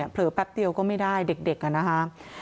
เผลอแป๊บเดียวก็ไม่ได้เด็กอ่ะนะคะ